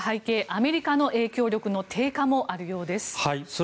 アメリカの影響力の低下もあるようです。